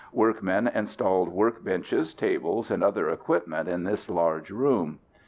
Workmen installed work benches, tables, and other equipment in this large room.